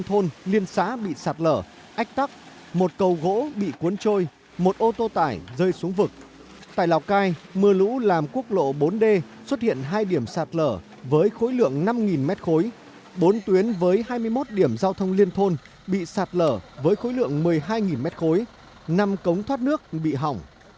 tại lào cai mưa lũ làm quốc lộ bốn d xuất hiện hai điểm sạt lở với khối lượng năm m khối bốn tuyến với hai mươi một điểm giao thông liên thôn bị sạt lở với khối lượng một mươi hai m khối năm cống thoát nước bị hỏng